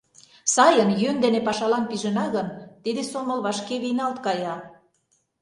Сайын, йӧн дене пашалан пижына гын, тиде сомыл вашке вийналт кая.